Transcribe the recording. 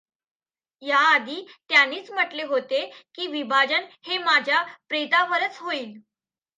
या आधी त्यांनीच म्हंटले होते की विभाजन हे माझ्या प्रेतावरच होईल.